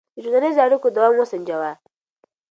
د ټولنیزو اړیکو دوام وسنجوه.